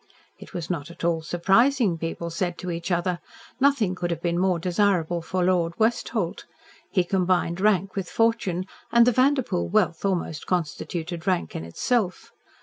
It was not at all surprising, people said to each other. Nothing could have been more desirable for Lord Westholt. He combined rank with fortune, and the Vanderpoel wealth almost constituted rank in itself.